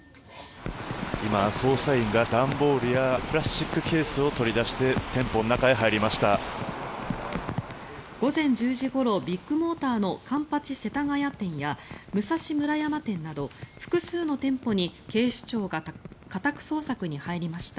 今、捜査員が段ボールやプラスチックケースを取り出して店舗の中へ入りました。